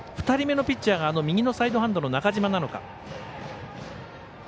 ２人目のピッチャーが右のサイドハンドの中嶋なのか。